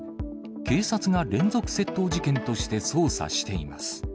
警察が連続窃盗事件として捜査しています。